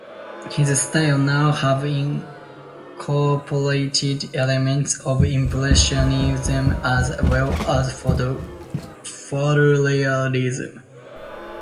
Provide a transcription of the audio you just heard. His styles now have incorporated elements of impressionism as well as photorealism.